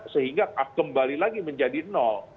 sehingga kembali lagi menjadi nol